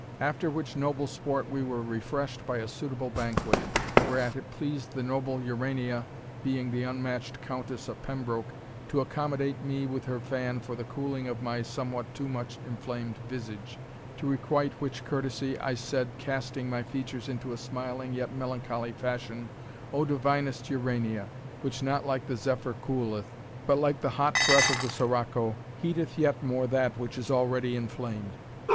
After which noble sport we were refreshed by a suitable banquet, whereat it pleased the noble Urania (being the unmatched Countess of Pembroke) to accommodate me with her fan for the cooling my somewhat too much inflamed visage, to requite which courtesy, I said, casting my features into a smiling, yet melancholy fashion, O divinest Urania! receive again that too fatal gift, which not like the Zephyr cooleth, but like the hot breath of the Sirocco, heateth yet more that which is already inflamed.